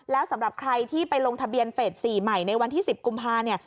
แล้วสำหรับใครที่ไปลงทะเบียนเฟส๔ใหม่ในวันที่๑๐กุมภาเนี่ย